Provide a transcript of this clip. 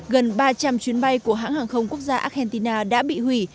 gần ba trăm linh chuyến bay của hãng hàng không quốc gia argentina đã bị hủy